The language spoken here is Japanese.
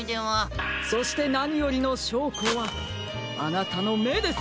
そしてなによりのしょうこはあなたのめです！